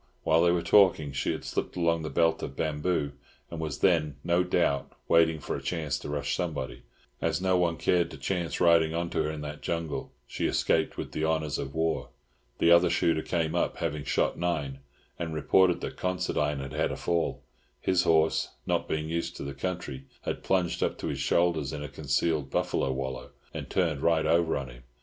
While they were talking she had slipped along the belt of bamboos, and was then, no doubt, waiting for a chance to rush somebody. As no one cared to chance riding on to her in that jungle, she escaped with the honours of war. The other shooter came up, having shot nine, and reported that Considine had had a fall; his horse, not being used to the country, had plunged up to his shoulders in a concealed buffalo wallow, and turned right over on him.